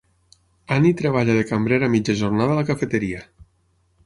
Annie treballa de cambrera a mitja jornada a la cafeteria.